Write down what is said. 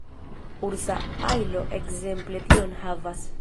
Ursa ajlo ekzemple tion havas.